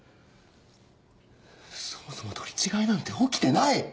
そもそも取り違えなんて起きてない！